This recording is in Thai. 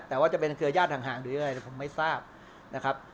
แต่ว่าจะเป็นเครือญาติห่างหรืออะไรผมไม่ทราบนะครับ